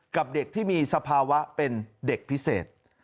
กับเด็กที่มีสภาวะเป็นเด็กพิเศษ